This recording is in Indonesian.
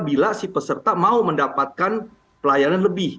bila si peserta mau mendapatkan pelayanan lebih